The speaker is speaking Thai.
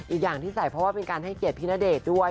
อีกอย่างที่ใส่เพราะว่าเป็นการให้เกียรติพี่ณเดชน์ด้วย